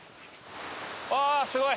ああすごい！